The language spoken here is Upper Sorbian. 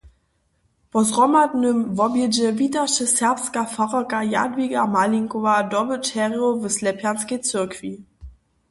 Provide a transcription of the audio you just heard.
Po zhromadnym wobjedźe witaše serbska fararka Jadwiga Malinkowa dobyćerjow w Slepjanskej cyrkwi.